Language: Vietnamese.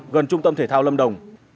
gần trung tâm thể thao lâm đồng